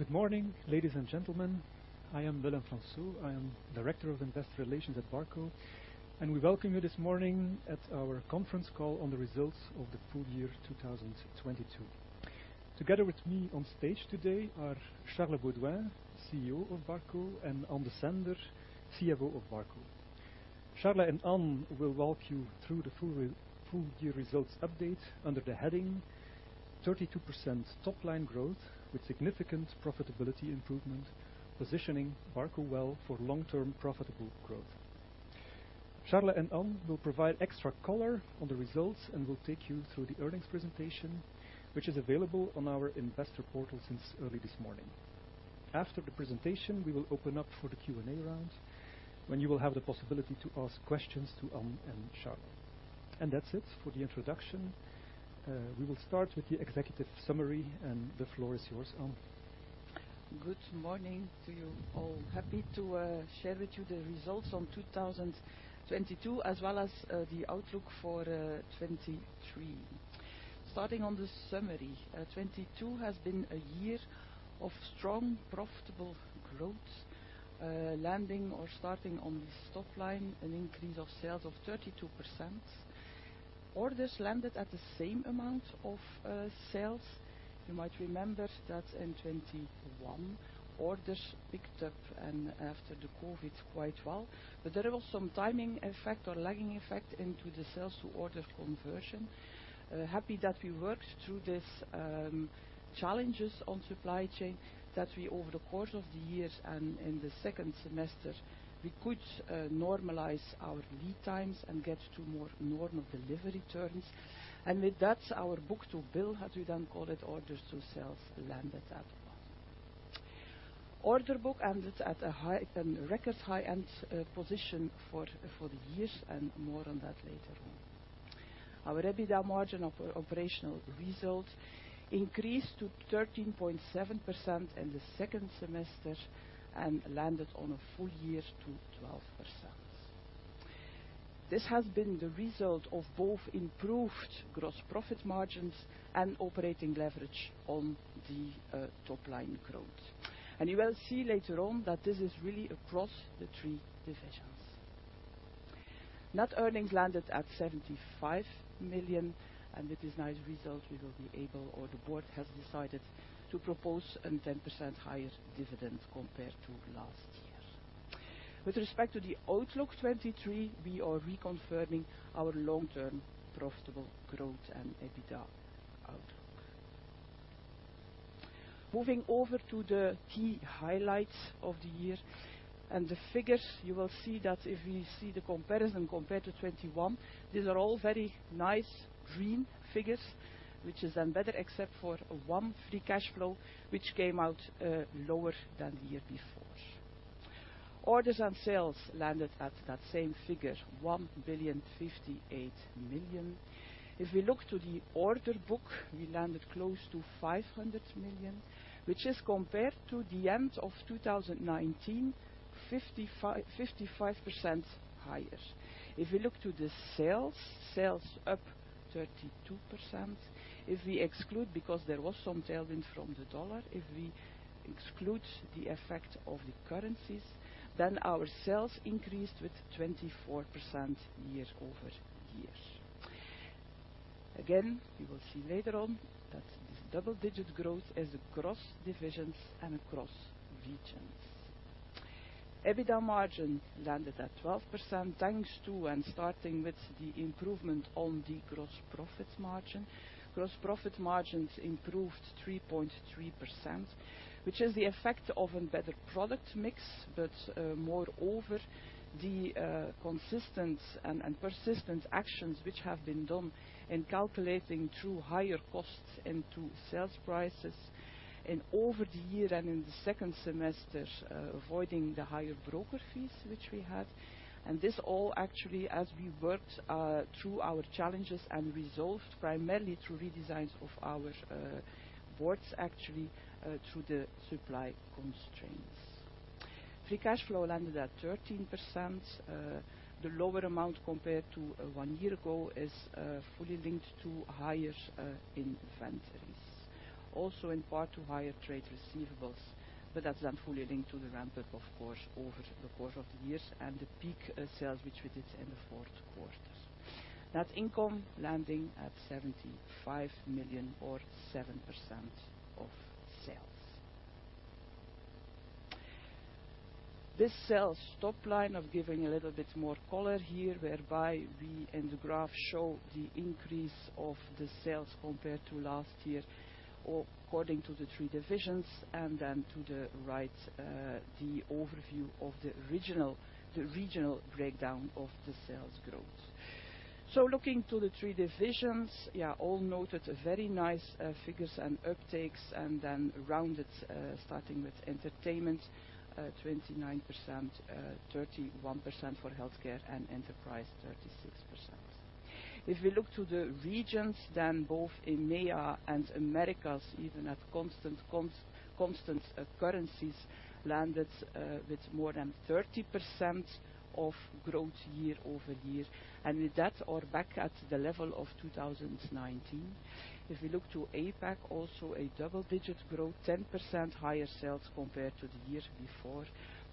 Good morning, ladies and gentlemen. I am Willem Fransoo. I am Director of Investor Relations at Barco. We welcome you this morning at our conference call on the results of the full year 2022. Together with me on stage today are Charles Beauduin, CEO of Barco, and Ann Desender, CFO of Barco. Charles and Ann will walk you through the full year results update under the heading 32% top line growth with significant profitability improvement, positioning Barco well for long-term profitable growth. Charles and Ann will provide extra color on the results and will take you through the earnings presentation, which is available on our investor portal since early this morning. After the presentation, we will open up for the Q&A round when you will have the possibility to ask questions to Ann and Charles. That's it for the introduction. We will start with the executive summary, the floor is yours, Ann. Good morning to you all. Happy to share with you the results on 2022, as well as the outlook for 2023. Starting on the summary, 2022 has been a year of strong profitable growth. landing or starting on this top line, an increase of sales of 32%. Orders landed at the same amount of sales. You might remember that in 2021 orders picked up and after the COVID quite well. There was some timing effect or lagging effect into the sales to order conversion. happy that we worked through this challenges on supply chain, that we over the course of the years and in the second semester, we could normalize our lead times and get to more normal delivery terms. With that, our book-to-bill, as we then call it, orders to sales landed as well. Order book ended at a high, at a record high end position for the years, and more on that later on. Our EBITDA margin operational result increased to 13.7% in the second semester and landed on a full year to 2o%. This has been the result of both improved gross profit margins and operating leverage on the top line growth. You will see later on that this is really across the three divisions. Net earnings landed at 75 million, and with this nice result we will be able, or the board has decided to propose a 10% higher dividend compared to last year. With respect to the outlook 2023, we are reconfirming our long-term profitable growth and EBITDA outlook. Moving over to the key highlights of the year and the figures, you will see that if you see the comparison compared to 2021, these are all very nice green figures, which is then better except for one free cash flow, which came out lower than the year before. Orders and sales landed at that same figure, 1.058 billion. If we look to the order book, we landed close to 500 million, which is compared to the end of 2019 55% higher. If we look to the sales up 32%. If we exclude, because there was some tailwind from the USD, if we exclude the effect of the currencies, then our sales increased with 24% year-over-year. Again, you will see later on that this double-digit growth is across divisions and across regions. EBITDA margin landed at 2%, thanks to starting with the improvement on the gross profit margin. Gross profit margins improved 3.3%, which is the effect of a better product mix, moreover, the consistent and persistent actions which have been done in calculating through higher costs into sales prices and over the year and in the second semester, avoiding the higher broker fees which we had. This all actually as we worked through our challenges and resolved primarily through redesigns of our boards, actually, through the supply constraints. Free cash flow landed at 3.3%. The lower amount compared to one year ago is fully linked to higher inventories. In part to higher trade receivables, but that's then fully linked to the ramp up, of course, over the course of the years and the peak sales which we did in the fourth quarter. Net income landing at 75 million or 7% of sales. This sales top line, I've given a little bit more color here, whereby we in the graph show the increase of the sales compared to last year according to the three divisions, and then to the right, the overview of the regional breakdown of the sales growth. Looking to the three divisions, yeah, all noted very nice figures and uptakes, and then rounded, starting with Entertainment, 29%, 31% for Healthcare and Enterprise 36%. If we look to the regions, both EMEA and Americas, even at constant currencies, landed with more than 30% of growth year-over-year. With that are back at the level of 2019. If we look to APAC, also a double-digit growth, 10% higher sales compared to the year before.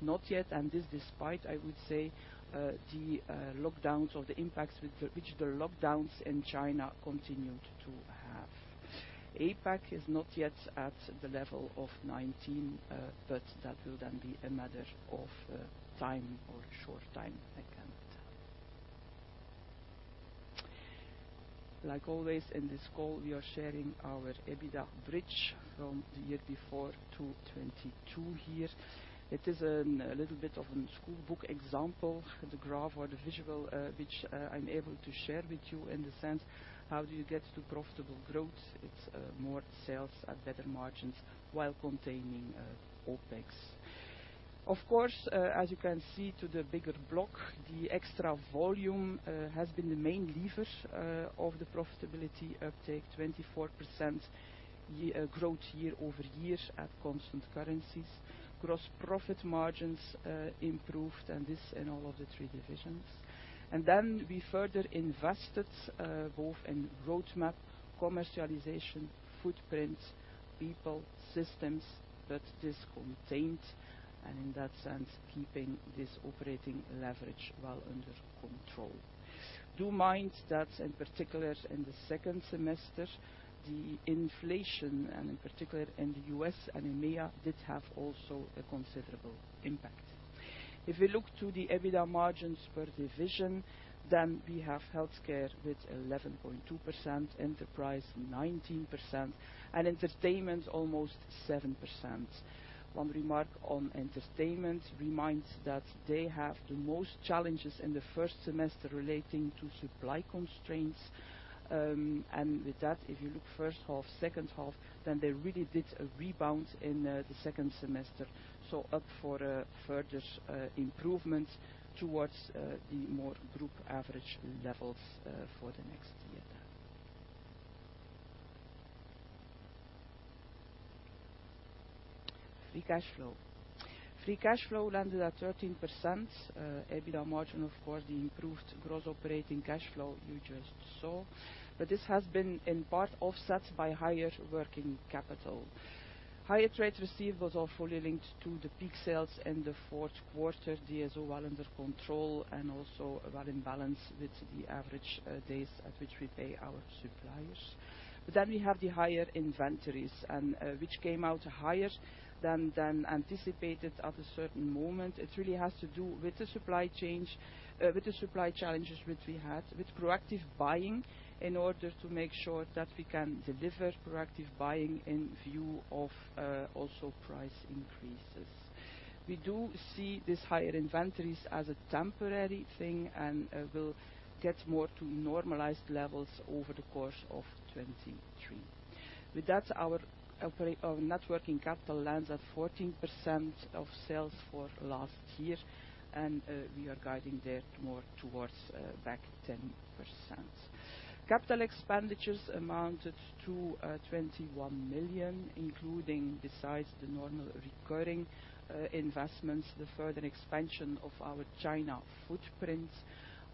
Not yet, this despite, I would say, the lockdowns or the impacts which the lockdowns in China continued to have. APAC is not yet at the level of 2019, that will be a matter of time or short time, I can't tell. Like always in this call, we are sharing our EBITDA bridge from the year before to 2022 here. It is a little bit of a schoolbook example, the graph or the visual, which I'm able to share with you in the sense, how do you get to profitable growth. It's more sales at better margins while containing OpEx. Of course, as you can see to the bigger block, the extra volume has been the main lever of the profitability uptake. 24% growth year-over-year at constant currencies. Gross profit margins improved, and this in all of the three divisions. We further invested both in roadmap, commercialization, footprint, people, systems, but this contained, and in that sense, keeping this operating leverage well under control. Do mind that in particular in the second semester, the inflation, and in particular in the U.S. and EMEA, did have also a considerable impact. We look to the EBITDA margins per division, we have healthcare with 11.two%, enterprise 19%, and entertainment almost 7%. One remark on entertainment reminds that they have the most challenges in the first semester relating to supply constraints. With that, if you look first half, second half, they really did a rebound in the second semester. Up for a further improvement towards the more group average levels for the next year. Free cash flow. Free cash flow landed at 1three%. EBITDA margin, of course, the improved gross operating cash flow you just saw. This has been in part offset by higher working capital. Higher trade received was all fully linked to the peak sales in the fourth quarter. DSO well under control and also well in balance with the average days at which we pay our suppliers. We have the higher inventories and which came out higher than anticipated at a certain moment. It really has to do with the supply change, with the supply challenges which we had, with proactive buying in order to make sure that we can deliver proactive buying in view of also price increases. We do see these higher inventories as a temporary thing and will get more to normalized levels over the course of 2023. With that, our net working capital lands at 14% of sales for last year, and we are guiding there more towards back 10%. Capital expenditures amounted to 21 million, including besides the normal recurring investments, the further expansion of our China footprint.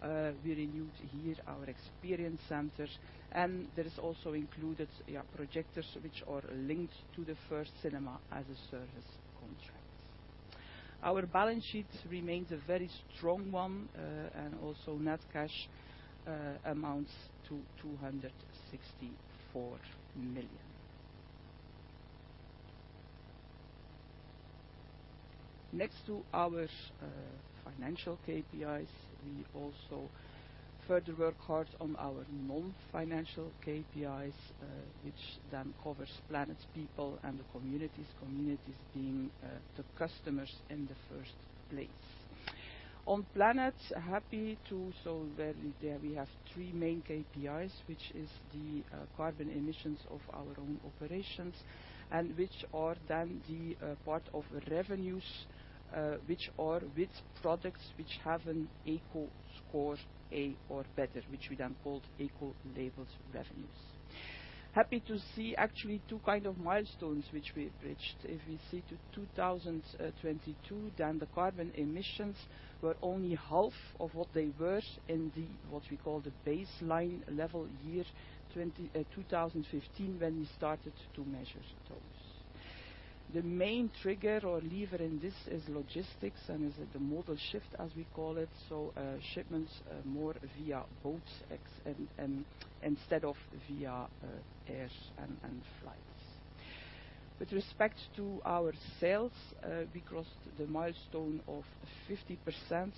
We renewed here our experience centers, and there is also included projectors which are linked to the first Cinema-as-a-Service contract. Our balance sheet remains a very strong one, and also net cash amounts to EUR 264 million. Next to our financial KPIs, we also further work hard on our non-financial KPIs, which then covers planet, people, and the communities, being the customers in the first place. On planet, there we have three main KPIs, which is the carbon emissions of our own operations and which are then the part of revenues which are with products which have an Ecoscore A or better, which we then called Eco-label revenues. Happy to see actually two kind of milestones which we reached. If we see to 2022, then the carbon emissions were only half of what they were in the, what we call the baseline level year 2015, when we started to measure those. The main trigger or lever in this is logistics, and is the modal shift, as we call it. Shipments more via boats and instead of via airs and flights. With respect to our sales, we crossed the milestone of 50%.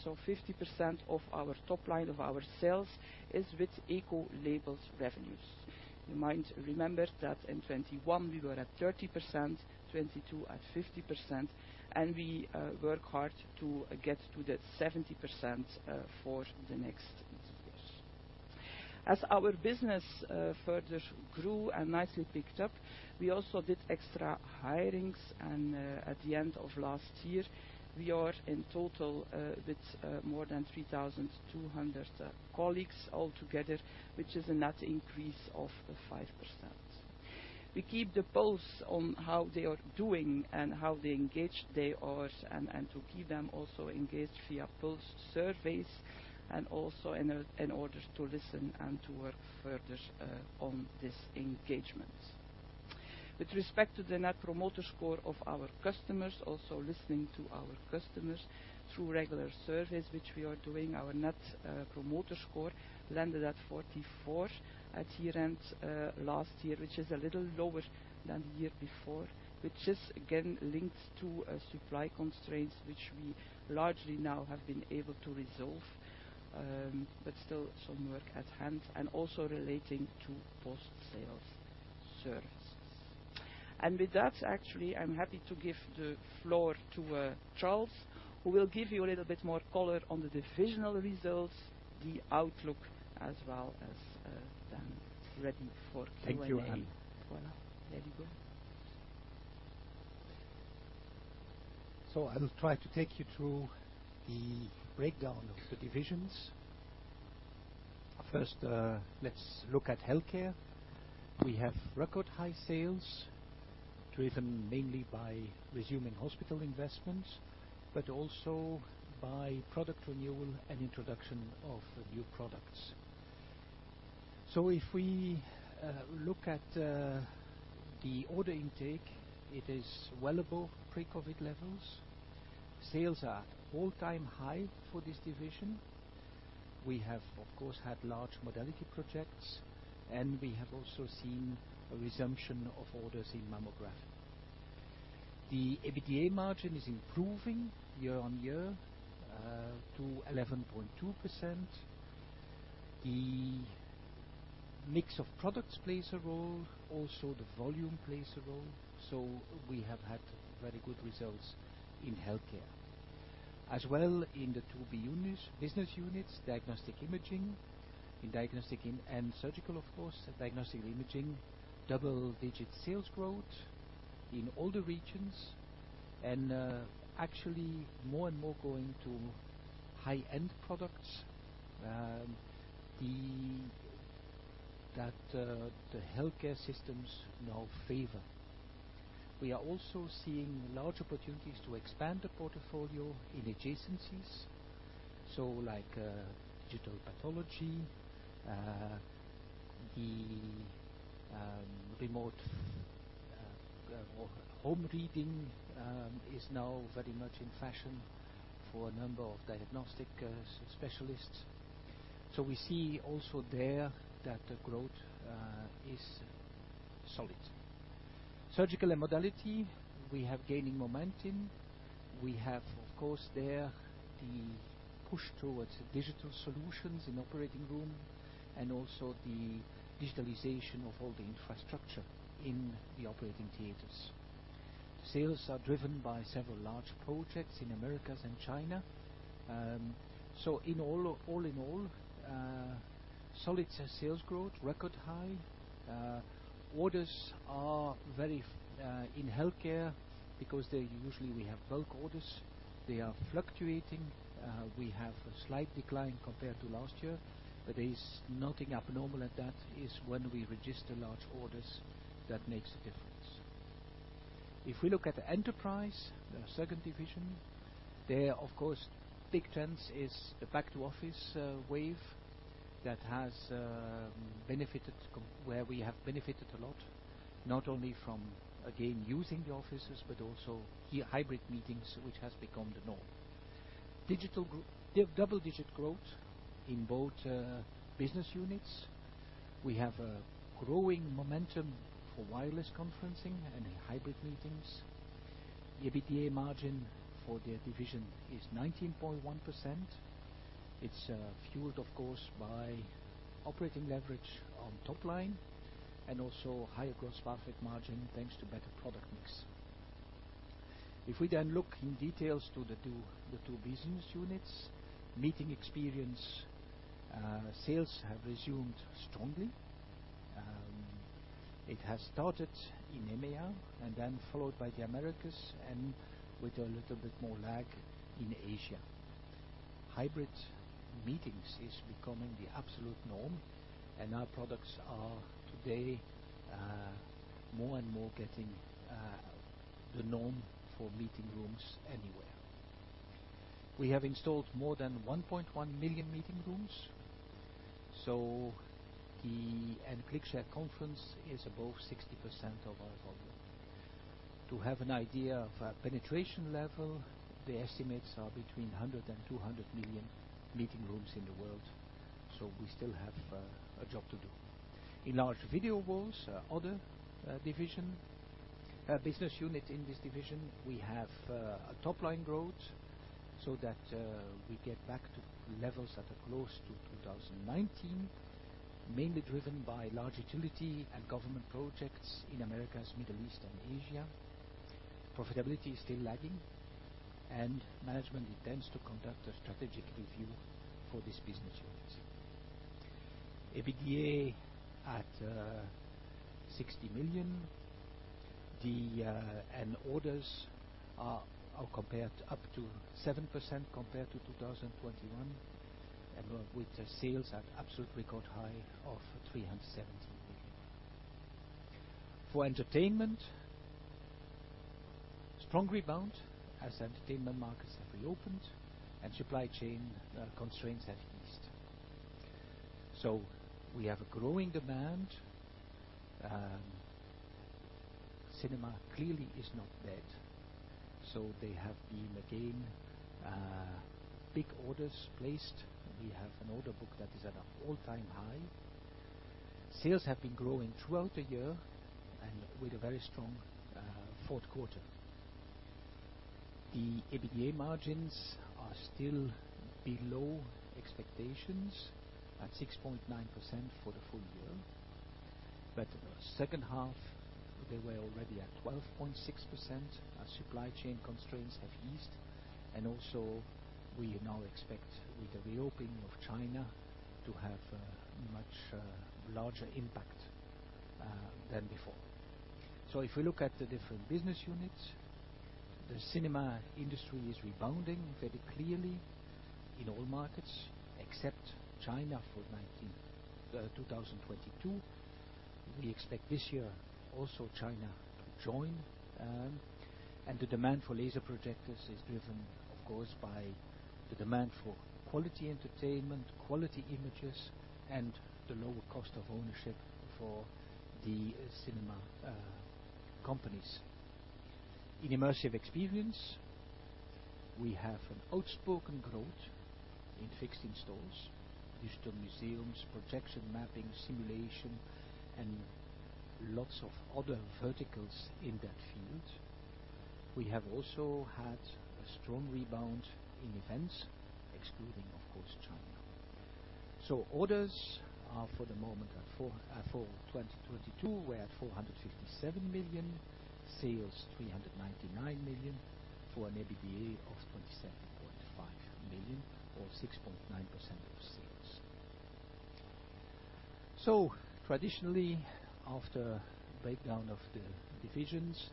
50% of our top line of our sales is with Eco-label revenues. You might remember that in 2021, we were at 30%, 2022 at 50%, and we work hard to get to that 70% for the next years. As our business, further grew and nicely picked up, we also did extra hirings, and, at the end of last year, we are in total, with, more than 3200 colleagues altogether, which is a net increase of 5%. We keep the pulse on how they are doing and how they engage their hours and to keep them also engaged via pulse surveys and also in order to listen and to work further on this engagement. With respect to the Net Promoter Score of our customers, also listening to our customers through regular surveys which we are doing, our Net Promoter Score landed at 44 at year-end last year, which is a little lower than the year before, which is again linked to supply constraints, which we largely now have been able to resolve, but still some work at hand and also relating to post-sales services. With that, actually, I'm happy to give the floor to Charles, who will give you a little bit more color on the divisional results, the outlook, as well as then ready for Q&A. Thank you, Ann. Voilà. There we go. I will try to take you through the breakdown of the divisions. First, let's look at Healthcare. We have record high sales, driven mainly by resuming hospital investments, but also by product renewal and introduction of new products. If we look at the order intake, it is well above pre-COVID levels. Sales are all-time high for this division. We have, of course, had large modality projects, and we have also seen a resumption of orders in mammography. The EBITDA margin is improving year-on-year to 11.two%. The mix of products plays a role, also the volume plays a role, we have had very good results in Healthcare. As well, in the two business units, diagnostic imaging. In diagnostic and surgical, of course, diagnostic imaging, double-digit sales growth in all the regions and actually more and more going to high-end products that the healthcare systems now favor. We are also seeing large opportunities to expand the portfolio in adjacencies, so like digital pathology, the remote home reading is now very much in fashion for a number of diagnostic specialists. We see also there that the growth is solid. Surgical and modality, we have gaining momentum. We have, of course, there, the push towards digital solutions in operating room and also the digitalization of all the infrastructure in the operating theaters. Sales are driven by several large projects in Americas and China. In all in all, solid sales growth, record high. Orders are very, in healthcare because they usually we have bulk orders. They are fluctuating. We have a slight decline compared to last year, there is nothing abnormal at that. It's when we register large orders, that makes a difference. If we look at the enterprise, the second division, there, of course, big trends is the back to office wave that has benefited where we have benefited a lot, not only from again, using the offices, but also the hybrid meetings which has become the norm. They have double-digit growth in both business units. We have a growing momentum for wireless conferencing and in hybrid meetings. EBITDA margin for their division is 19.1%. It's fueled, of course, by operating leverage on top line and also higher gross profit margin, thanks to better product mix. If we look in details to the two business units, meeting experience, sales have resumed strongly. It has started in EMEA followed by the Americas with a little bit more lag in Asia. Hybrid meetings is becoming the absolute norm, our products are today more and more getting the norm for meeting rooms anywhere. We have installed more than 1.1 million meeting rooms. ClickShare Conference is above 60% of our volume. To have an idea of our penetration level, the estimates are between 100 million and 200 million meeting rooms in the world. We still have a job to do. In large video walls, other division, business unit in this division, we have a top-line growth so that we get back to levels that are close to 2019, mainly driven by large utility and government projects in Americas, Middle East, and Asia. Profitability is still lagging and management intends to conduct a strategic review for this business unit. EBITDA at EUR 60 million. Orders are compared up to 7% compared to 2021, with the sales at absolute record high of 317 million. For entertainment. Strong rebound as entertainment markets have reopened and supply chain constraints have eased. We have a growing demand. Cinema clearly is not dead, so they have been, again, big orders placed. We have an order book that is at an all-time high. Sales have been growing throughout the year and with a very strong fourth quarter. The EBITDA margins are still below expectations at 6.9% for the full year. In the second half, they were already at 1tif.6% as supply chain constraints have eased. Also we now expect with the reopening of China to have a much larger impact than before. If we look at the different business units, the cinema industry is rebounding very clearly in all markets except China for 2022. We expect this year also China to join, and the demand for laser projectors is driven, of course, by the demand for quality entertainment, quality images, and the lower cost of ownership for the cinema companies. In Immersive Experience, we have an outspoken growth in fixed installs, digital museums, projection mapping, simulation, and lots of other verticals in that field. We have also had a strong rebound in events, excluding, of course, China. Orders are for the moment for 2022 were at 457 million, sales 399 million for an EBITDA of 7.5 million or 6.9% of sales. Traditionally, after breakdown of the divisions,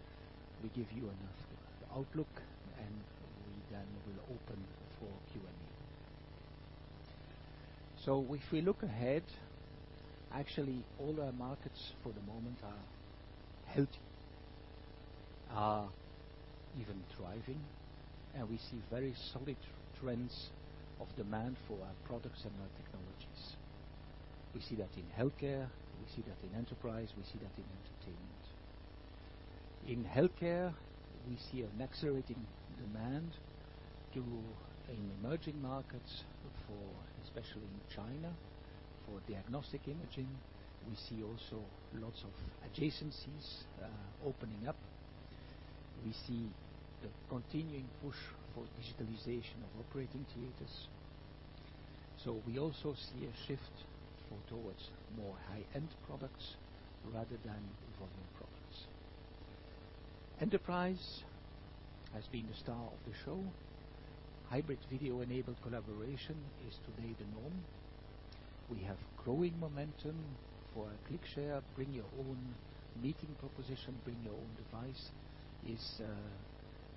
we give you an outlook, and we then will open for Q&A. If we look ahead, actually all our markets for the moment are healthy, are even thriving, and we see very solid trends of demand for our products and our technologies. We see that in healthcare. We see that in enterprise. We see that in entertainment. In healthcare, we see an accelerating demand in emerging markets for, especially in China, for diagnostic imaging. We see also lots of adjacencies opening up. We see the continuing push for digitalization of operating theaters. We also see a shift towards more high-end products rather than volume products. Enterprise has been the star of the show. Hybrid video-enabled collaboration is today the norm. We have growing momentum for ClickShare. Bring Your Own Meeting proposition, bring your own device is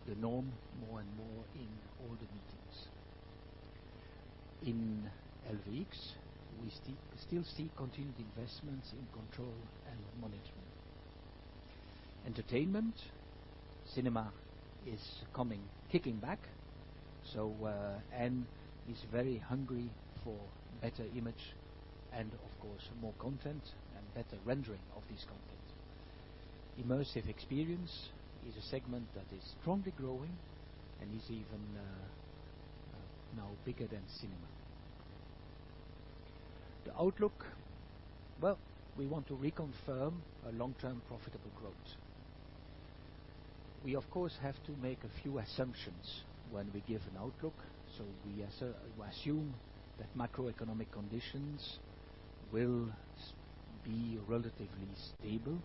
the norm more and more in all the meetings. In LVW, we still see continued investments in control and monitoring. Entertainment, cinema is coming, kicking back. is very hungry for better image and of course, more content and better rendering of this content. Immersive Experience is a segment that is strongly growing and is even now bigger than cinema. The outlook, well, we want to reconfirm a long-term profitable growth. We, of course, have to make a few assumptions when we give an outlook. We assume that macroeconomic conditions will be relatively stable.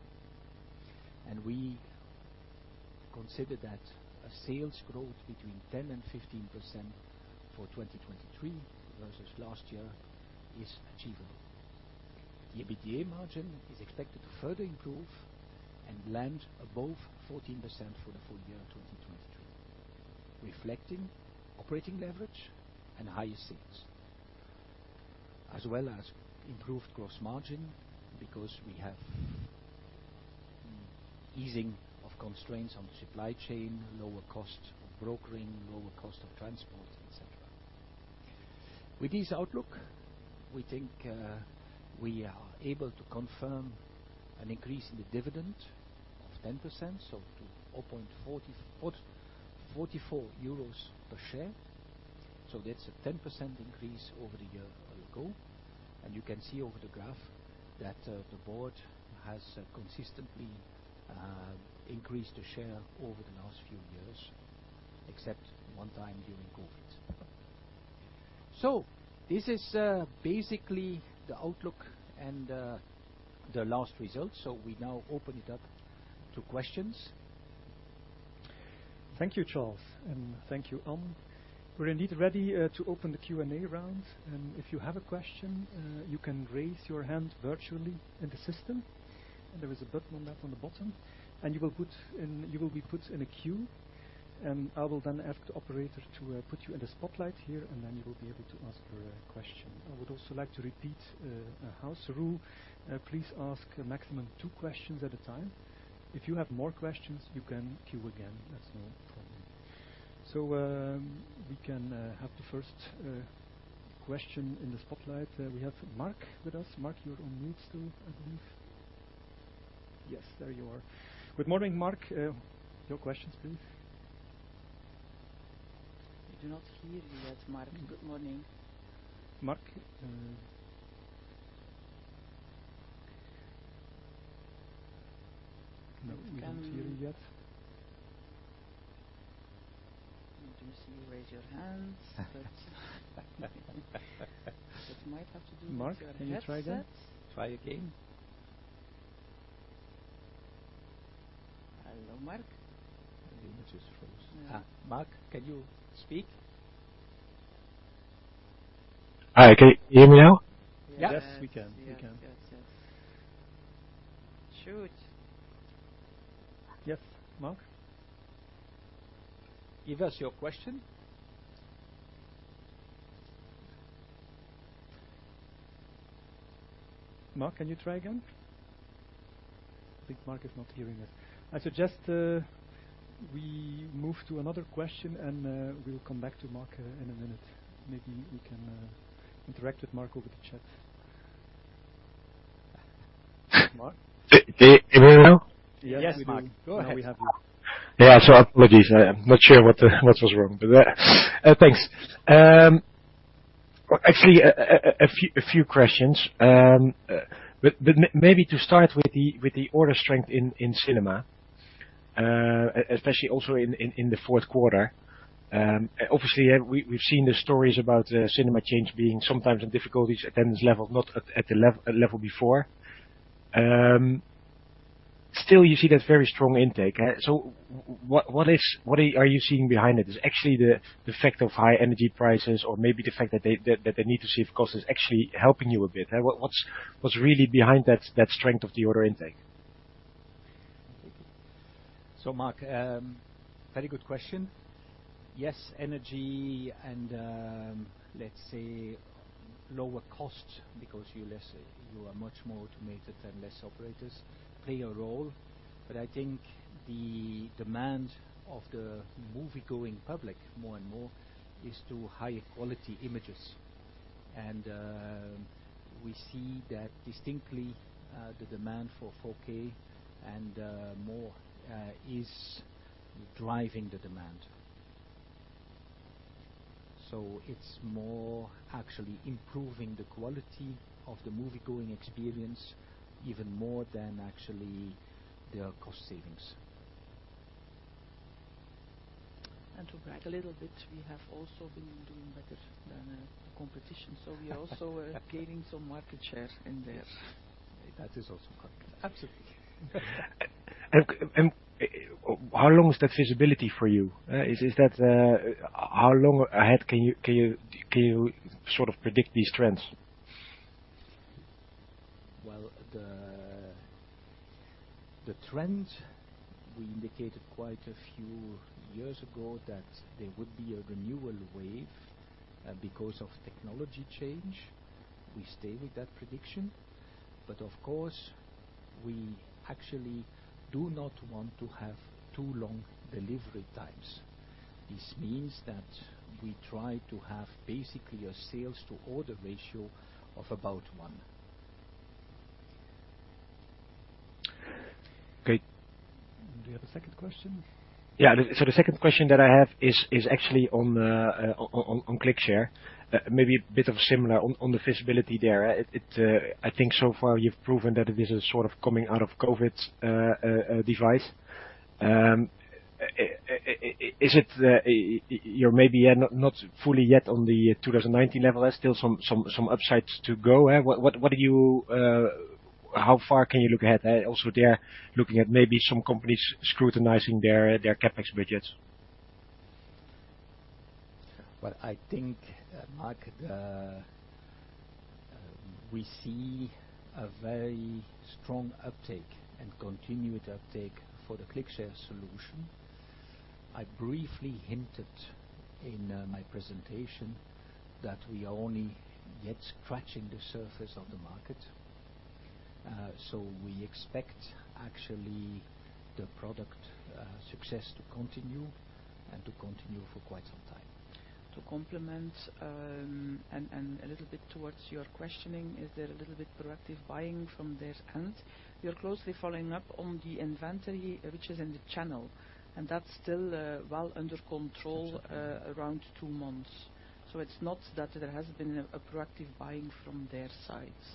We consider that a sales growth between 10% and 15% for 2023 versus last year is achievable. The EBITDA margin is expected to further improve and land above 14% for the full year 2023, reflecting operating leverage and higher sales, as well as improved gross margin because we have easing of constraints on the supply chain, lower cost of brokering, lower cost of transport, et cetera. With this outlook, we think we are able to confirm an increase in the dividend of 10%, so to 0.44 euros per share. That's a 10% increase over the year ago. You can see over the graph that the board has consistently increased the share over the last few years, except one time during COVID. This is basically the outlook and the last result. We now open it up to questions. Thank you, Charles, and thank you, Ann. We're indeed ready to open the Q&A round. If you have a question, you can raise your hand virtually in the system, and there is a button on that on the bottom, and you will be put in a queue. I will then ask the operator to put you in the spotlight here, and then you will be able to ask your question. I would also like to repeat a house rule. Please ask a maximum two questions at a time. If you have more questions, you can queue again. That's no problem. We can have the first question in the spotlight. We have Mark with us. Mark, you're on mute still, I believe. Yes, there you are. Good morning, Mark. Your questions, please. We do not hear you yet, Mark. Good morning. Mark, No, we don't hear you yet. I do see you raise your hands. It might have to do with your headset. Mark, can you try again? Try again. Hello, Mark. Maybe he just froze. Yeah. Mark, can you speak? Hi, can you hear me now? Yes. Yes. We can. We can. Yes. Yes. Yes. Shoot. Yes, Mark. Give us your question. Mark, can you try again? I think Mark is not hearing us. I suggest, we move to another question and, we'll come back to Mark in a minute. Maybe we can interact with Mark over the chat. Mark? Can you hear me now? Yes, Mark. Yes, we do. Go ahead. Now we have you. Yeah. Apologies. I am not sure what was wrong, thanks. Well, actually a few questions. Maybe to start with the order strength in cinema, especially also in the fourth quarter. Obviously, we've seen the stories about cinema chains being sometimes in difficulties, attendance level not at the level before. Still you see that very strong intake. What are you seeing behind it? Is actually the effect of high energy prices or maybe the fact that they need to see if cost is actually helping you a bit? What's really behind that strength of the order intake? Mark, very good question. Yes, energy and, let's say lower cost because you are much more automated and less operators play a role. I think the demand of the movie-going public more and more is to higher quality images. We see that distinctly, the demand for 4K and more, is driving the demand. It's more actually improving the quality of the movie-going experience even more than actually the cost savings. To brag a little bit, we have also been doing better than competition. We also are gaining some market share in there. That is also correct. Absolutely. How long is that visibility for you? Is that how long ahead can you sort of predict these trends? Well, the trend, we indicated quite a few years ago that there would be a renewal wave, because of technology change. Of course, we actually do not want to have too long delivery times. This means that we try to have basically a sales to order ratio of about 1. Okay. Do you have a second question? Yeah. The second question that I have is actually on ClickShare. Maybe a bit of similar on the visibility there. It, I think so far you've proven that it is a sort of coming out of COVID device. Is it, you're maybe not fully yet on the 2019 level. There's still some upsides to go. What are you, how far can you look ahead? Also there looking at maybe some companies scrutinizing their CapEx budgets. Well, I think, Mark, we see a very strong uptake and continued uptake for the ClickShare solution. I briefly hinted in my presentation that we are only yet scratching the surface of the market. We expect actually the product success to continue and to continue for quite some time. To complement, and a little bit towards your questioning, is there a little bit proactive buying from their end? We are closely following up on the inventory which is in the channel, and that's still, well under control, around two months. It's not that there has been a proactive buying from their sides.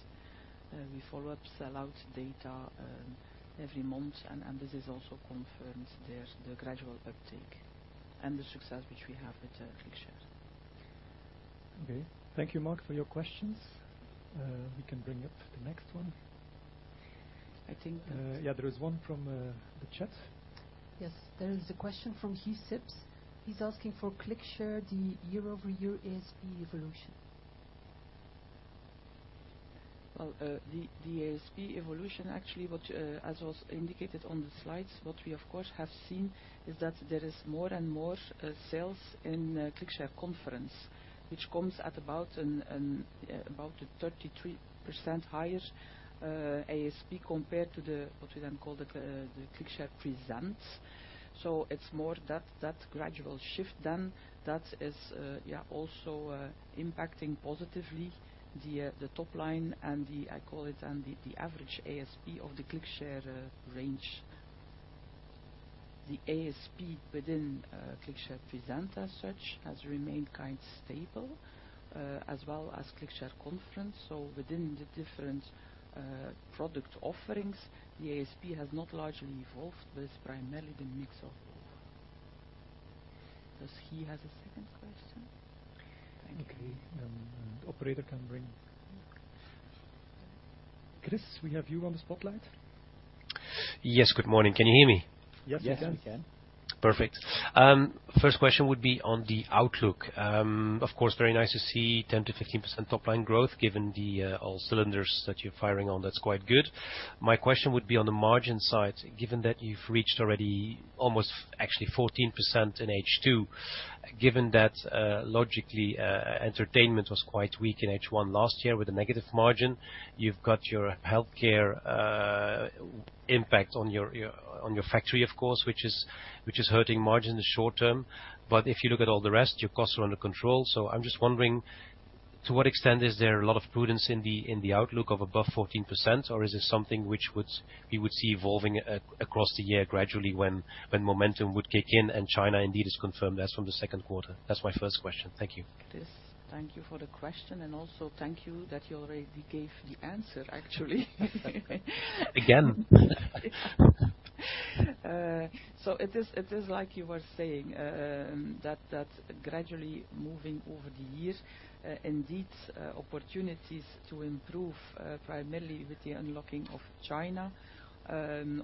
We follow up sellout data, every month and this is also confirmed there's the gradual uptake and the success which we have with the ClickShare. Okay. Thank you, Mark, for your questions. We can bring up the next one. I think Yeah, there is one from the chat. Yes. There is a question from Hugo Sips. He's asking for ClickShare, the year-over-year ASP evolution. Well, the ASP evolution actually what, as was indicated on the slides, what we of course have seen is that there is more and more sales in ClickShare Conference, which comes at about a 33% higher ASP compared to the, what we then call the ClickShare Present. It's more that gradual shift then that is, yeah, also impacting positively the top line and the, I call it, the average ASP of the ClickShare range. The ASP within ClickShare Present as such has remained quite stable, as well as ClickShare Conference. Within the different product offerings, the ASP has not largely evolved, but it's primarily the mix of both. Does he has a second question? Thank you. Okay. the operator can bring. Chris, we have you on the spotlight. Yes, good morning. Can you hear me? Yes, we can. Yes, we can. Perfect. First question would be on the outlook. Of course, very nice to see 10%-15% top line growth given the all cylinders that you're firing on. That's quite good. My question would be on the margin side, given that you've reached already almost actually 14% in Htwo, given that logically entertainment was quite weak in H1 last year with a negative margin. You've got your healthcare impact on your factory, of course, which is hurting margin in the short term. If you look at all the rest, your costs are under control. I'm just wondering, to what extent is there a lot of prudence in the outlook of above 14%? Or is this something which would... We would see evolving across the year gradually when momentum would kick in and China indeed is confirmed as from the second quarter? That's my first question. Thank you. Chris, thank you for the question, and also thank you that you already gave the answer, actually. Again. It is like you were saying, that gradually moving over the years, indeed, opportunities to improve, primarily with the unlocking of China.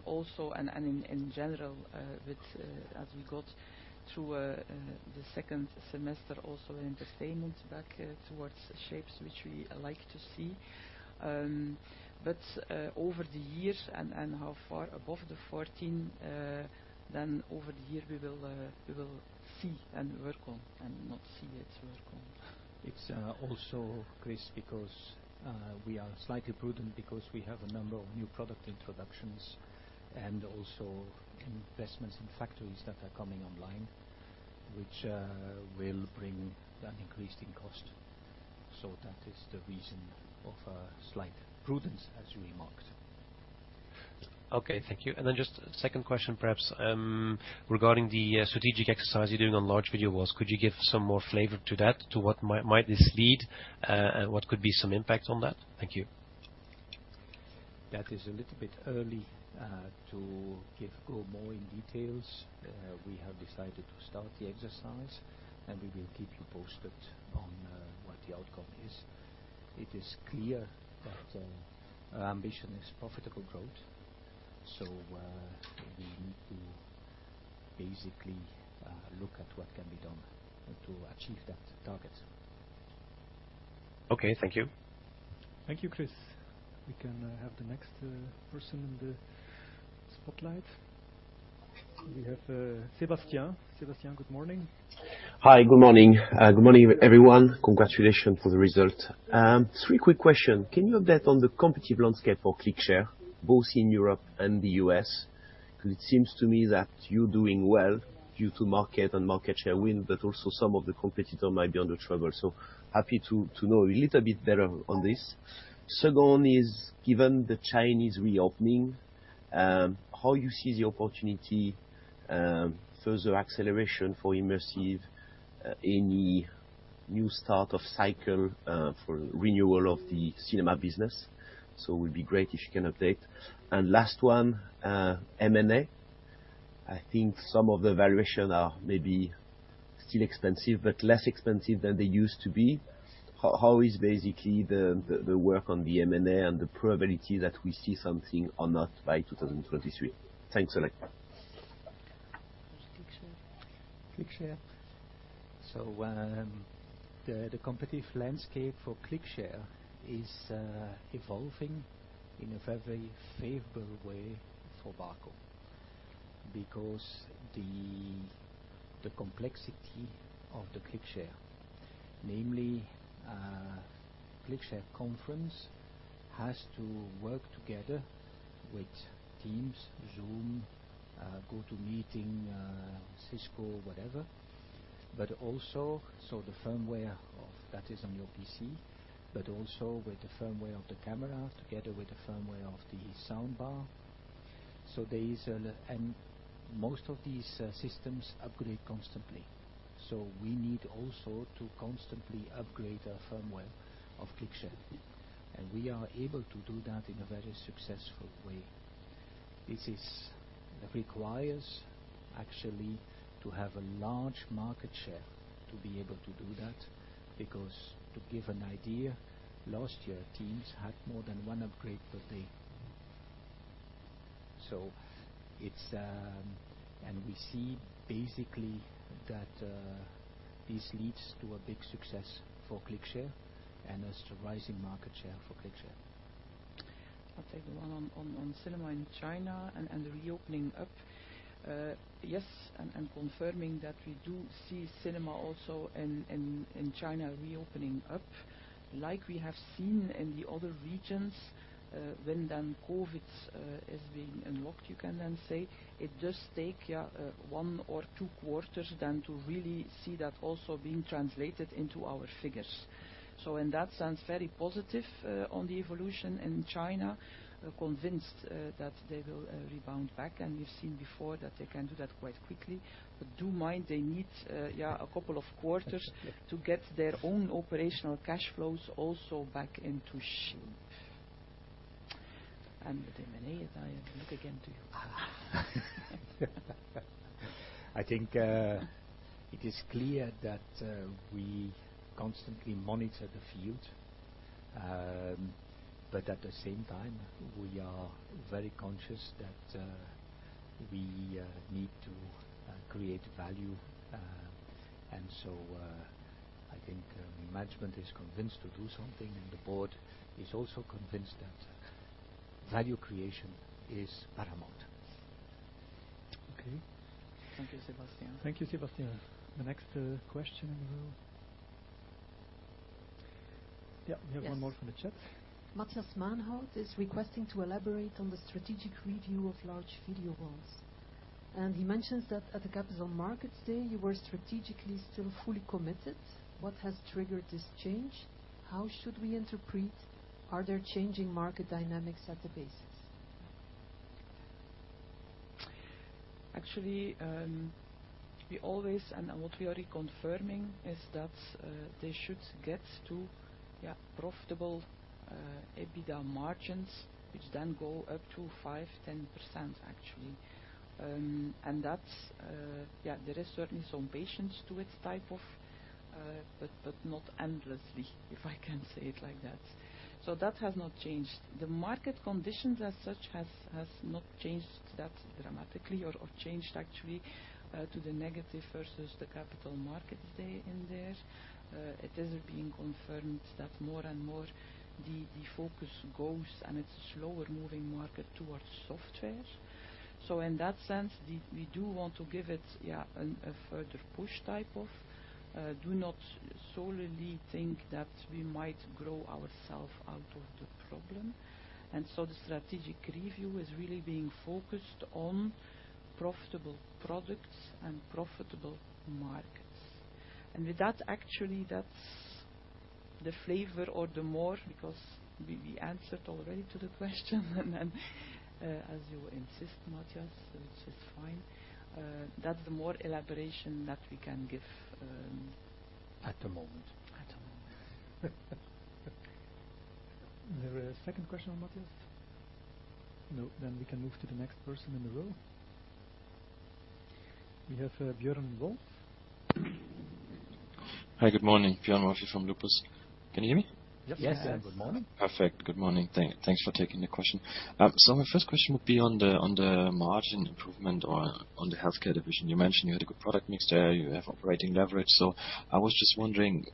Also and in general, with as we got through the second semester also in Entertainment back towards shapes which we like to see. Over the years and how far above the 14, then over the year we will we will see and work on and not see it work on. It's, also Chris, because, we are slightly prudent because we have a number of new product introductions and also investments in factories that are coming online, which, will bring an increase in cost. That is the reason of a slight prudence, as you remarked. Okay, thank you. Just second question, perhaps, regarding the strategic exercise you're doing on large video walls. Could you give some more flavor to that? To what might this lead, and what could be some impact on that? Thank you. That is a little bit early to go more in details. We have decided to start the exercise, and we will keep you posted on what the outcome is. It is clear that our ambition is profitable growth. We need to basically look at what can be done to achieve that target. Okay. Thank you. Thank you, Chris. We can have the next person in the spotlight. We have Sebastiaan. Sebastiaan, good morning. Hi. Good morning. Good morning, everyone. Congratulations for the result. three quick question. Can you update on the competitive landscape for ClickShare, both in Europe and the U.S.? 'Cause it seems to me that you're doing well due to market and market share win, but also some of the competitor might be under trouble. Happy to know a little bit better on this. Second one is, given the Chinese reopening, how you see the opportunity, further acceleration for immersive, any new start of cycle, for renewal of the cinema business? It would be great if you can update. Last one, M&A. I think some of the valuation are maybe still expensive, but less expensive than they used to be. How is basically the work on the M&A and the probability that we see something or not by 2023? Thanks a lot. ClickShare. ClickShare. The competitive landscape for ClickShare is evolving in a very favorable way for Barco because the complexity of the ClickShare, namely, ClickShare Conference has to work together with Teams, Zoom, GoToMeeting, Cisco, whatever. Also, the firmware of that is on your PC, but also with the firmware of the camera together with the firmware of the soundbar. There is a... and most of these systems upgrade constantly. We need also to constantly upgrade our firmware of ClickShare, and we are able to do that in a very successful way. This is requires actually to have a large market share to be able to do that, because to give an idea, last year, Teams had more than one upgrade per day. It's. We see basically that, this leads to a big success for ClickShare and it's a rising market share for ClickShare. I'll take the one on cinema in China and the reopening up. Yes, I'm confirming that we do see cinema also in China reopening up like we have seen in the other regions, when then COVID is being unlocked, you can then say. It does take, yeah, 1 or two quarters then to really see that also being translated into our figures. In that sense, very positive on the evolution in China. Convinced that they will rebound back, and we've seen before that they can do that quite quickly. Do mind they need, yeah, a couple of quarters to get their own operational cash flows also back into shape. With M&A, Diane, back again to you. I think, it is clear that, we constantly monitor the field. At the same time we are very conscious that, we, need to, create value. I think, management is convinced to do something, and the board is also convinced that value creation is paramount. Okay. Thank you, Sebastiaan. Thank you, Sebastiaan. The next question in the room? Yeah. Yes. We have one more from the chat. Matthias Maenhaut is requesting to elaborate on the strategic review of large video walls. He mentions that at the Capital Markets Day, you were strategically still fully committed. What has triggered this change? How should we interpret? Are there changing market dynamics at the basis? Actually, what we are reconfirming is that they should get to, yeah, profitable EBITDA margins, which then go up to 5-10% actually. That's, yeah, there is certainly some patience to its type of, but not endlessly, if I can say it like that. That has not changed. The market conditions as such has not changed that dramatically or changed actually, to the negative versus the Capital Markets Day in there. It is being confirmed that more and more the focus goes, and it's a slower moving market towards software. In that sense, the. We do want to give it, a further push type of. Do not solely think that we might grow ourself out of the problem. The strategic review is really being focused on profitable products and profitable markets. With that, actually, that's the flavor or the more, because we answered already to the question. As you insist, Matthias, which is fine, that's the more elaboration that we can give. At the moment. At the moment. Is there a second question on Matthias? No, we can move to the next person in the room. We have Björn Wolk. Hi, good morning. Björn Wolk from Lupus alpha. Can you hear me? Yes. Yes. Good morning. Perfect. Good morning. Thanks for taking the question. My first question would be on the margin improvement or on the healthcare division. You mentioned you had a good product mix there. You have operating leverage. I was just wondering,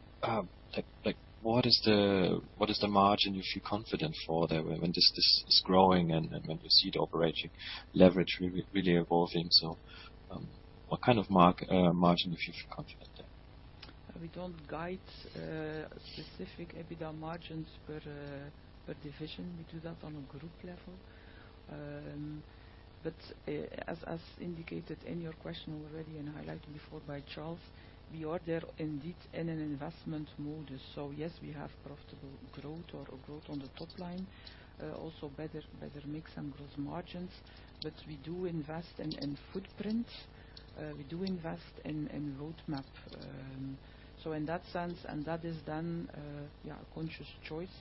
like what is the margin you feel confident for there when this is growing and when you see the operating leverage really evolving? What kind of margin are you feeling confident there? We don't guide specific EBITDA margins per division. We do that on a group level. As indicated in your question already and highlighted before by Charles, we are there indeed in an investment modus. Yes, we have profitable growth or a growth on the top line. Also better mix and gross margins. We do invest in footprint. We do invest in roadmap. In that sense, and that is then, a conscious choice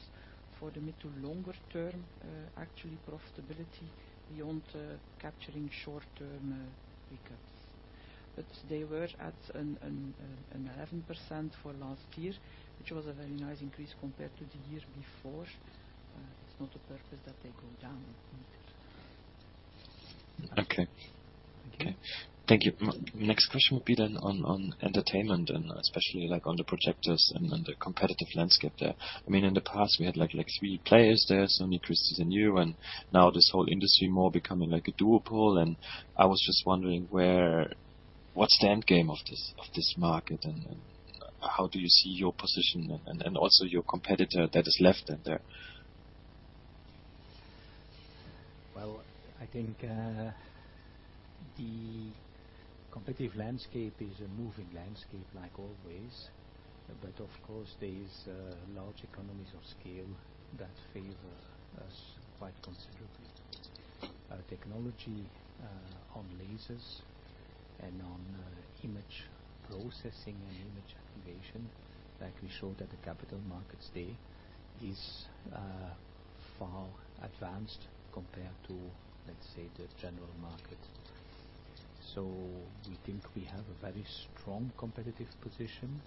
for the mid to longer term, actually profitability beyond capturing short-term pickups. They were at an 11% for last year, which was a very nice increase compared to the year before. It's not a purpose that they go down. Okay. Okay. Thank you. Next question would be then on entertainment and especially like on the projectors and the competitive landscape there. I mean, in the past we had like three players there. Sony, Christie is the new, now this whole industry more becoming like a duopoly. I was just wondering what's the end game of this market and how do you see your position and also your competitor that is left in there? Well, I think, the competitive landscape is a moving landscape like always. Of course there is, large economies of scale that favor us quite considerably. Technology, on lasers and on, image processing and image activation, like we showed at the Capital Markets Day, is far advanced compared to, let's say, the general market. We think we have a very strong competitive position.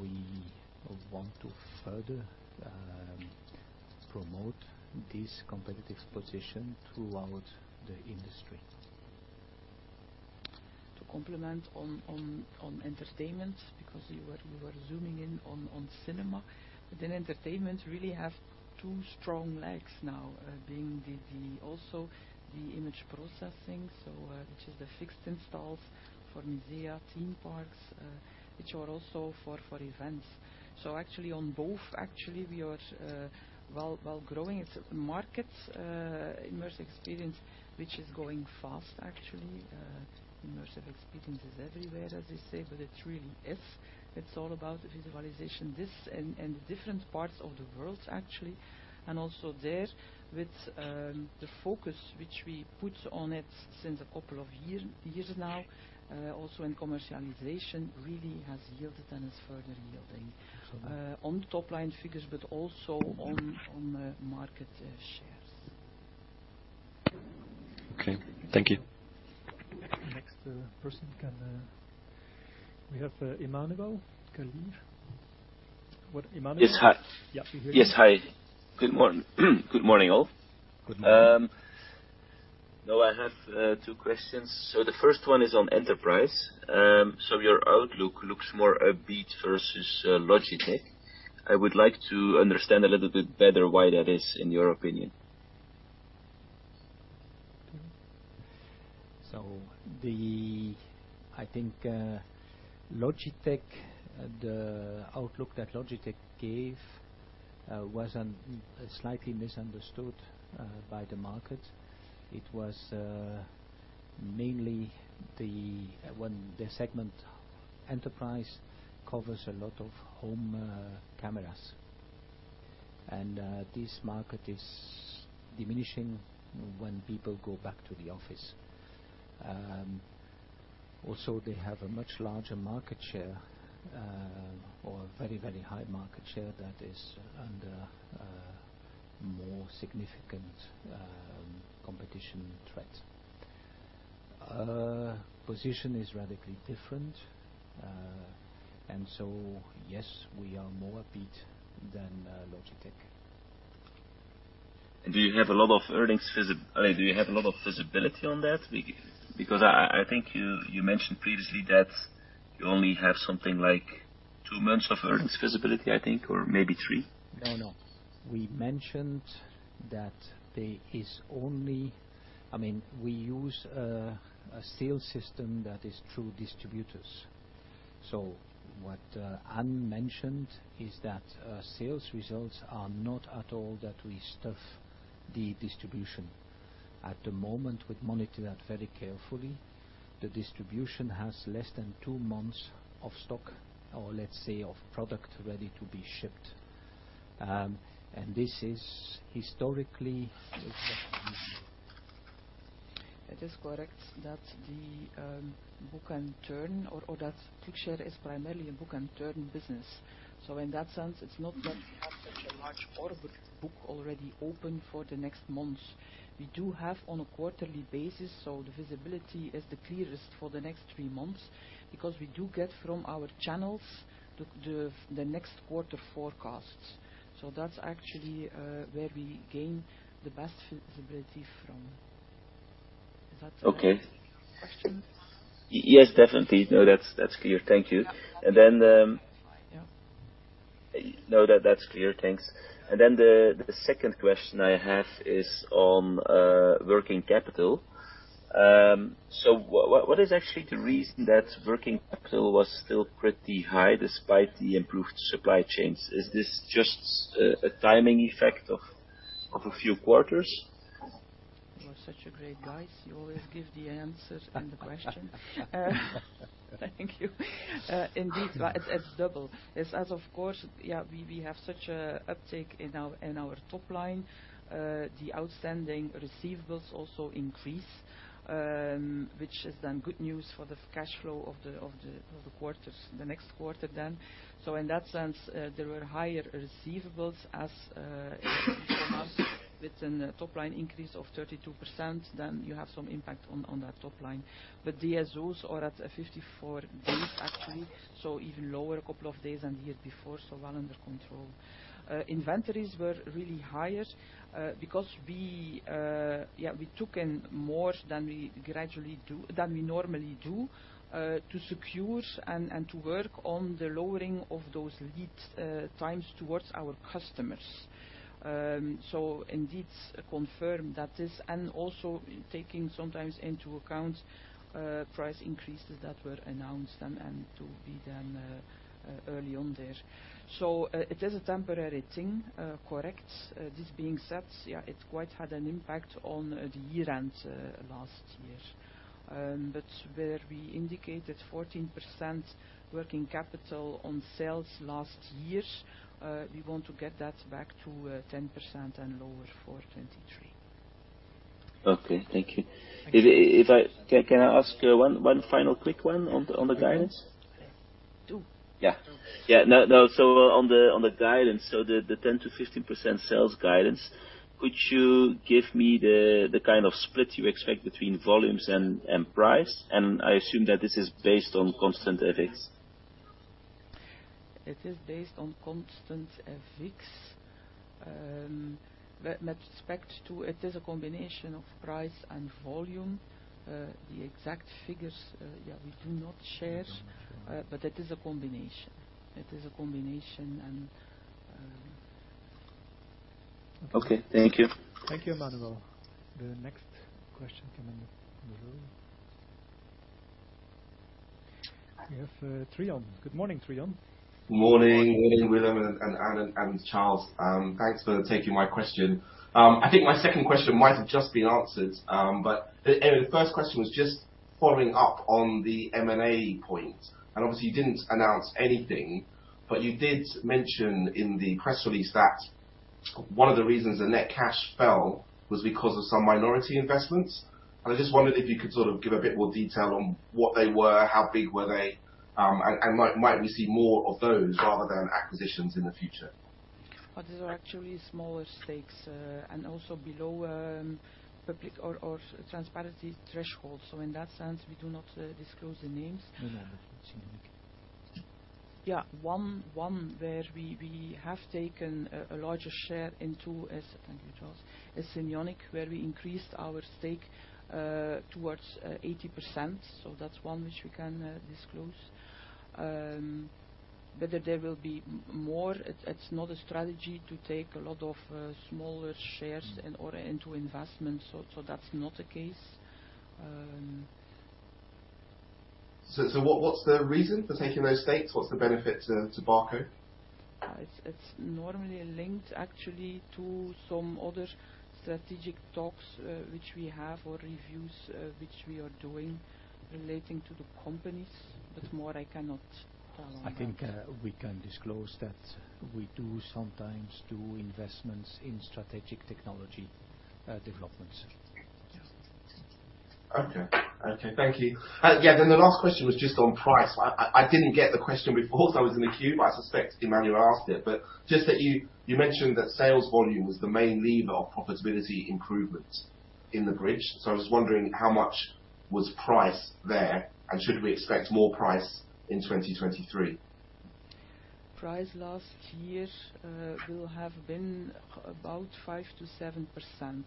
We want to further promote this competitive position throughout the industry. To complement on Entertainment, because you were zooming in on Cinema. Entertainment really have two strong legs now, being the also the image processing. Which is the fixed installs for museum, theme parks, which are also for events. Actually on both, actually, we are well growing its market, Immersive Experience, which is going fast actually. Immersive Experience is everywhere, as they say, but it really is. It's all about visualization. This and the different parts of the world actually, and also there with the focus which we put on it since a couple of years now, also in commercialization really has yielded and is further yielding on top line figures, but also on the market shares. Okay, thank you. Next, person can. We haveEmmanuel Cael Yes. Hi. Yeah. We hear you. Yes. Hi. Good morning. Good morning, all. Good morning. Now I have two questions. The first one is on enterprise. Your outlook looks more upbeat versus Logitech. I would like to understand a little bit better why that is in your opinion. I think Logitech, the outlook that Logitech gave was slightly misunderstood by the market. It was mainly when the segment enterprise covers a lot of home cameras. This market is diminishing when people go back to the office. Also they have a much larger market share or very, very high market share that is under more significant competition threat. Our position is radically different, and so, yes, we are more upbeat than Logitech. Do you have a lot of earnings? I mean, do you have a lot of visibility on that? Because I think you mentioned previously that you only have something like two months of earnings visibility, I think, or maybe three. No, no. We mentioned that there is I mean, we use a sales system that is through distributors. What Ann mentioned is that sales results are not at all that we stuff the distribution. At the moment, we monitor that very carefully. The distribution has less than two months of stock or let's say, of product ready to be shipped. This is historically is what we do. It is correct that the book-and-turn or that ClickShare is primarily a book-and-turn business. In that sense, it's not that we have such a large order book already open for the next months. We do have on a quarterly basis, so the visibility is the clearest for the next three months because we do get from our channels the next quarter forecasts. That's actually where we gain the best visibility from. Is that answering your question? Okay. Yes, definitely. No, that's clear. Thank you. Yeah. And then, um... Yeah. No, that's clear. Thanks. The second question I have is on working capital. What is actually the reason that working capital was still pretty high despite the improved supply chains? Is this just a timing effect of a few quarters? You are such a great guy. You always give the answers and the question. Thank you. Indeed, but it's double. As of course, we have such a uptake in our top line. The outstanding receivables also increase, which is then good news for the cash flow of the quarters, the next quarter then. In that sense, there were higher receivables as for us with an top line increase of 32%, then you have some impact on that top line. DSOs are at 54 days actually, so even lower a couple of days than the year before, so well under control. transcript of a conversation between a Barco representative and an analyst. Inventories were really higher because we, yeah, we took in more than we gradually do, than we normally do, to secure and to work on the lowering of those lead times towards our customers. So indeed, confirm that is, and also taking sometimes into account price increases that were announced and to be then early on there. So it is a temporary thing, correct. This being said, yeah, it quite had an impact on the year-end last year. But where we indicated 14% working capital on sales last year, we want to get that back to 10% and lower for Okay, thank you.2023 Thank you. Can I ask one final quick one on the guidance? Yeah. Yeah. No, no. On the guidance, the 10%-15% sales guidance, could you give me the kind of split you expect between volumes and price? I assume that this is based on constant FX. It is based on constant FX. With respect to it is a combination of price and volume. The exact figures, we do not share, but it is a combination. It is a combination and. Okay, thank youThank you, Emmanuel. The next question coming in. We have, Tristan Morning. Morning, Willem and Charles. Thanks for taking my question. I think my second question might have just been answered. But the first question was just following up on the M&A point. Obviously, you didn't announce anything, but you did mention in the press release that one of the reasons the net cash fell was because of some minority investments. I just wondered if you could sort of give a bit more detail on what they were, how big were they, and might we see more of those rather than acquisitions in the future? Well, these are actually smaller stakes, also below public or transparency threshold. In that sense, we do not disclose the names. No, that's unique. One where we have taken a larger share into is Cinionic, where we increased our stake towards 80%. Thank you, Charles. That's one which we can disclose. Whether there will be more, it's not a strategy to take a lot of smaller shares in order into investments. That's not the case. What's the reason for taking those stakes? What's the benefit to Barco? It's normally linked actually to some other strategic talks, which we have or reviews which we are doing relating to the companies. More I cannot comment. I think we can disclose that we do sometimes do investments in strategic technology developments. Yeah. Okay. Thank you. Yeah. The last question was just on price. I didn't get the question before 'cause I was in the queue, but I suspect Emmanuel asked it. Just that you mentioned that sales volume was the main lever of profitability improvement in the bridge. I was wondering how much was price there, and should we expect more price in two02three? Price last year, will have been about 5%-7%.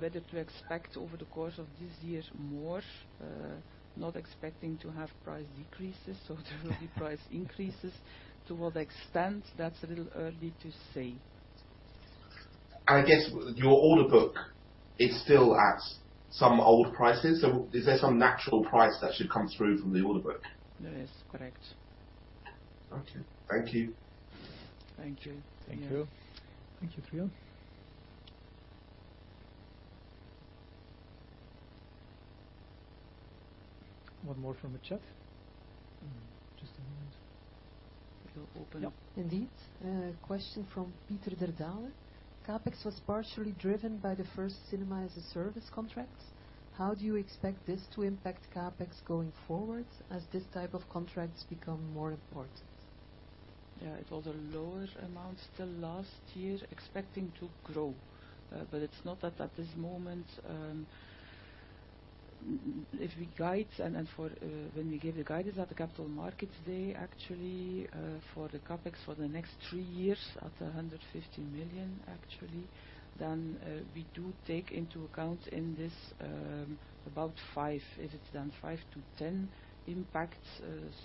Whether to expect over the course of this year more, not expecting to have price decreases. There will be price increases. To what extent? That's a little early to say. I guess your order book is still at some old prices. Is there some natural price that should come through from the order book? There is. Correct. Got you. Thank you. Thank you. Thank you. Thank you, TristanOne more from the chat. Just a moment. It will open up. Indeed. A question from Peter De Maene. CapEx was partially driven by the first Cinema-as-a-Service contract. How do you expect this to impact CapEx going forward as this type of contracts become more important? Yeah, it was a lower amount still last year, expecting to grow. It's not at this moment, if we guide and for, when we gave the guidance at the Capital Markets Day, actually, for the CapEx for the next three years at 150 million actually, then, we do take into account in this, about 5. Is it then 5-10 impacts,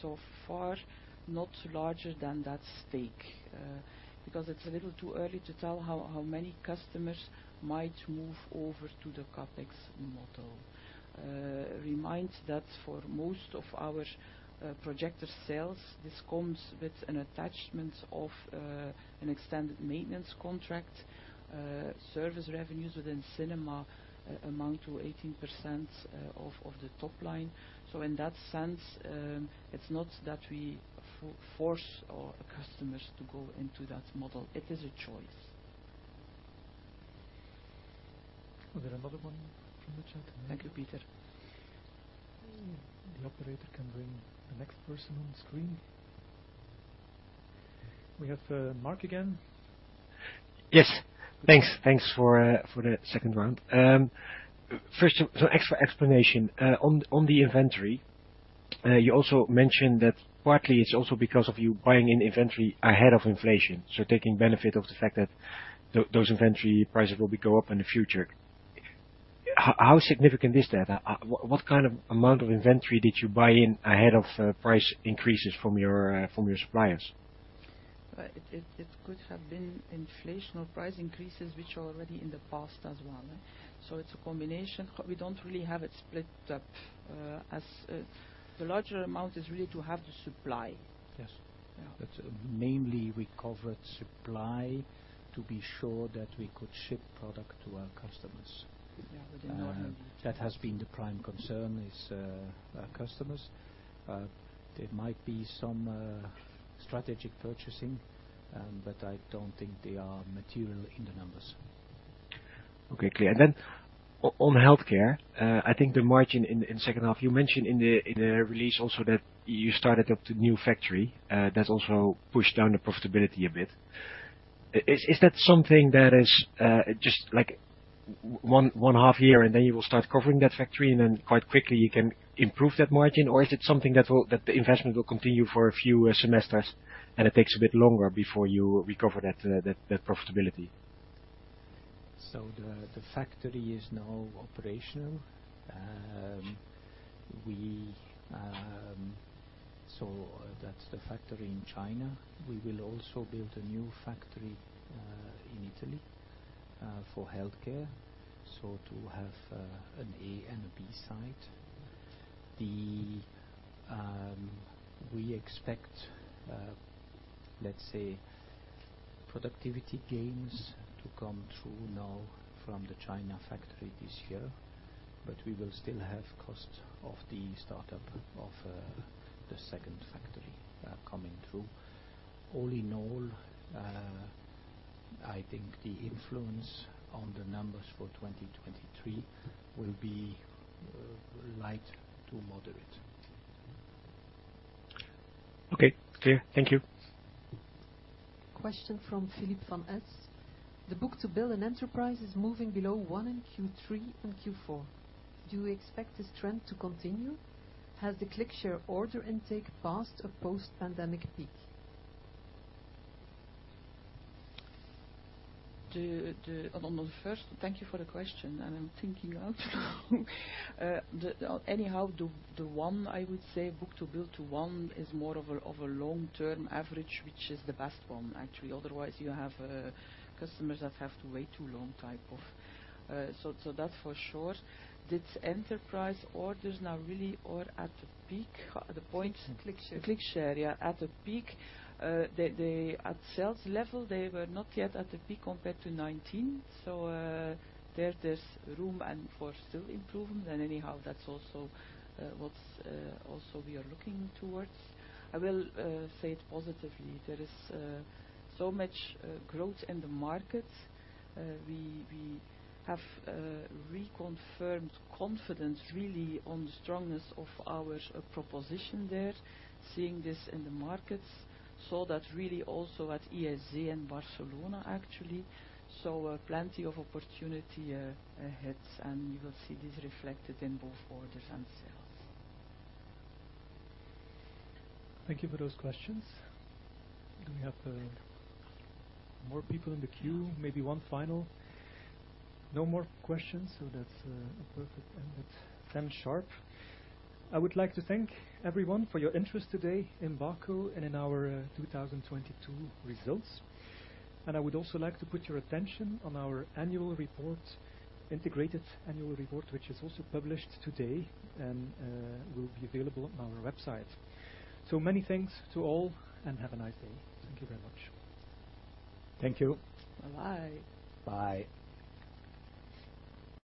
so far, not larger than that stake? It's a little too early to tell how many customers might move over to the CapEx model. Remind that for most of our, projector sales, this comes with an attachment of, an extended maintenance contract, service revenues within cinema, amount to 18% of the top line. In that sense, it's not that we force our customers to go into that model. It is a choice. Is there another one from the chat? Thank you, Peter. The operator can bring the next person on screen. We have Mark again. Yes. Thanks. Thanks for the second round. First, extra explanation on the inventory. You also mentioned that partly it's also because of you buying an inventory ahead of inflation, so taking benefit of the fact that those inventory prices will be go up in the future. How significant is that? What kind of amount of inventory did you buy in ahead of price increases from your suppliers? Well, it could have been inflation or price increases which are already in the past as well. It's a combination. We don't really have it split up, as the larger amount is really to have the supply. Yes. Yeah. Mainly we covered supply to be sure that we could ship product to our customers. Yeah. With the normal lead time. That has been the prime concern is our customers. There might be some strategic purchasing, but I don't think they are material in the numbers. Okay, clear. On healthcare, I think the margin in the second half, you mentioned in the release also that you started up the new factory, that's also pushed down the profitability a bit. Is that something that is just like one half year and then you will start covering that factory and then quite quickly you can improve that margin? Is it something the investment will continue for a few semesters and it takes a bit longer before you recover that profitability? The factory is now operational. That's the factory in China. We will also build a new factory in Italy for healthcare. To have an A and a B site. We expect, let's say, productivity gains to come through now from the China factory this year, but we will still have costs of the startup of the second factory coming through. All in all, I think the influence on the numbers for two02three will be light to moderate. Okay, clear. Thank you. Question from Filip Van de Velde. The book-to-bill in enterprise is moving below one in Qthree and Q4. Do you expect this trend to continue? Has the ClickShare order intake passed a post-pandemic peak? On the first, thank you for the question, and I'm thinking out loud. Anyhow, the one I would say, book-to-bill to one is more of a long-term average, which is the best one actually. Otherwise, you have customers that have to wait too long type of. That for sure. Did enterprise orders now really or at the peak? ClickShare. ClickShare, yeah. At the peak, they were not yet at the peak compared to two019. There's room and for still improvement. Anyhow, that's also what's also we are looking towards. I will say it positively. There is so much growth in the market. We have reconfirmed confidence really on the strength of our proposition there, seeing this in the markets. Saw that really also at ISE in Barcelona actually. Plenty of opportunity ahead, and you will see this reflected in both orders and sales. Thank you for those questions. Do we have more people in the queue? Maybe one final. No more questions, that's perfect. It's 10 sharp. I would like to thank everyone for your interest today in Barco and in our 2022 results. I would also like to put your attention on our annual report, integrated annual report, which is also published today and will be available on our website. Many thanks to all and have a nice day. Thank you very much. Thank you. Bye. Bye.